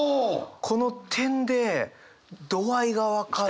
この点で度合いが分かる。